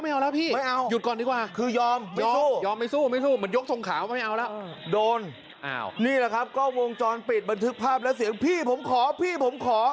นี่แหละครับก็วงจรปิดบันทึกภาพและเสียงพี่ผมขอพี่ผมขอ